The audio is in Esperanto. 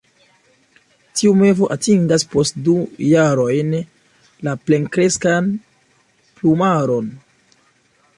Tiu mevo atingas post du jarojn la plenkreskan plumaron.